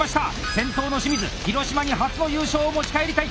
先頭の清水広島に初の優勝を持ち帰りたい！